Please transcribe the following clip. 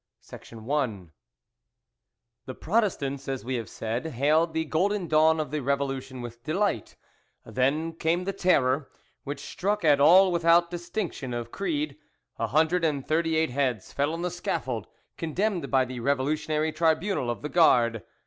CHAPTER VII The Protestants, as we have said, hailed the golden dawn of the revolution with delight; then came the Terror, which struck at all without distinction of creed. A hundred and thirty eight heads fell on the scaffold, condemned by the revolutionary tribunal of the Gard.